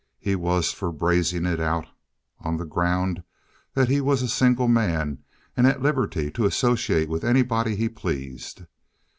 He was for brazening it out on the ground that he was a single man, and at liberty to associate with anybody he pleased.